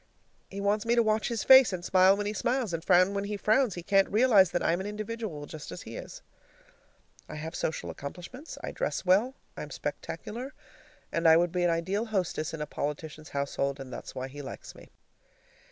He wants me to watch his face and smile when he smiles and frown when he frowns. He can't realize that I'm an individual just as much as he is. I have social accomplishments. I dress well, I'm spectacular, I would be an ideal hostess in a politician's household and that's why he likes me.